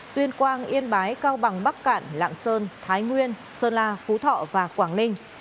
tuyên quang yên bái cao bằng bắc cạn lạng sơn thái nguyên sơn la phú thọ và quảng ninh